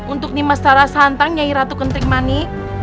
untuk nyai ratu ketikmani